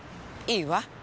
いいわ。